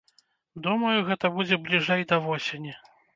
Думаю, гэта будзе бліжэй да восені.